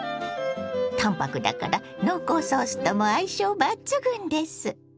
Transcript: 淡泊だから濃厚ソースとも相性抜群です！